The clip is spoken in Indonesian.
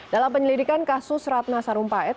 dalam penyelidikan kasus ratna sarumpait